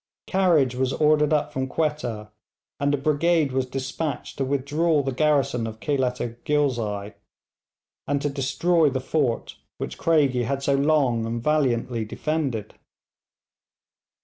Carriage was ordered up from Quetta, and a brigade was despatched to withdraw the garrison of Khelat i Ghilzai, and to destroy the fort which Craigie had so long and valiantly defended.